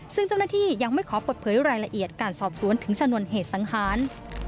ซึ่งเจ้าหน้าที่ยังไม่ขอเปิดเผยรายละเอียดการสอบสวนถึงชนวนเหตุสังหาร